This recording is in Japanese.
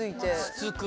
つつく。